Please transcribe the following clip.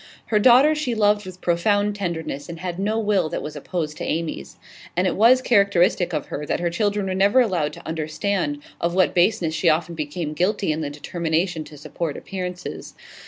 Her daughter she loved with profound tenderness, and had no will that was opposed to Amy's. And it was characteristic of her that her children were never allowed to understand of what baseness she often became guilty in the determination to support appearances.